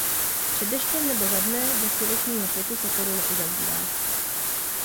Před deštěm nebo za dne bez slunečního svitu se koruna uzavírá.